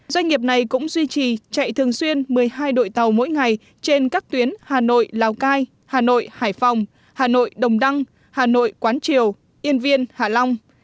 doanh nghiệp này cũng duy trì chạy thường xuyên một mươi hai đội tàu mỗi ngày trên các tuyến hà nội lào cai hà nội hải phòng hà nội đồng đăng hà nội quán triều yên viên hà long